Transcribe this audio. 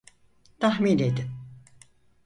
Tahmin edin.